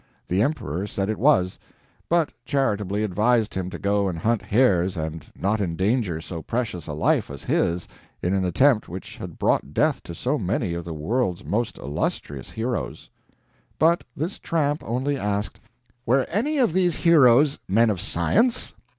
The emperor said it was but charitably advised him to go and hunt hares and not endanger so precious a life as his in an attempt which had brought death to so many of the world's most illustrious heroes. But this tramp only asked "Were any of these heroes men of science?"